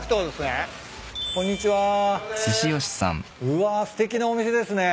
うわすてきなお店ですね。